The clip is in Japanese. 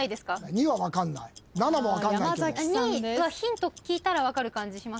２はヒント聞いたら分かる感じしますかね？